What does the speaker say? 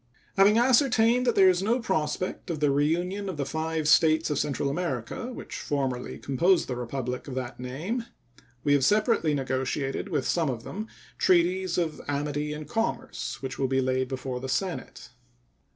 Having ascertained that there is no prospect of the reunion of the five States of Central America which formerly composed the Republic of that name, we have separately negotiated with some of them treaties of amity and commerce, which will be laid before the Senate.